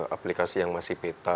aplikasi yang masih beta